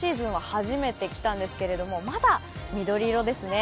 初めて来たんですけれども、まだ緑色ですね。